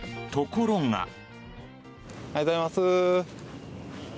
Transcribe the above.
ところが。